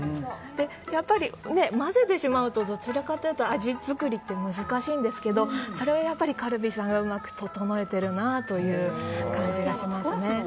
やっぱり、混ぜてしまうとどちらかというと味作りって難しいんですけどそれをカルビーさんがうまく整えてるなという感じがしますね。